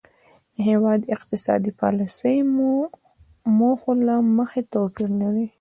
د هیوادونو اقتصادي پالیسۍ د موخو له مخې توپیر لري